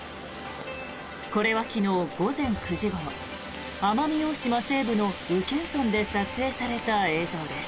これは昨日午前９時ごろ奄美大島西部の宇検村で撮影された映像です。